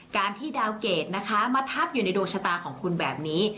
การที่ดาวเกรดนะคะมาทับอยู่ในดวงชะตาของคุณแบบนี้